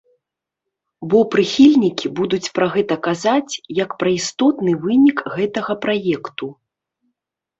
Бо прыхільнікі будуць пра гэта казаць, як пра істотны вынік гэтага праекту.